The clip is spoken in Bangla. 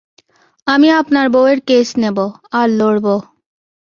আমি আপনার বউয়ের কেস নেবো, আর লড়বো।